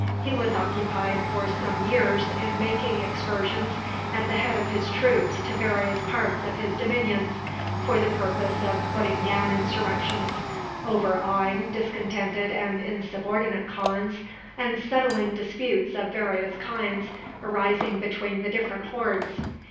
He was occupied for some years in making excursions at the head of his troops to various parts of his dominions, for the purpose of putting down insurrections, overawing discontented and insubordinate khans, and settling disputes of various kinds arising between the different hordes.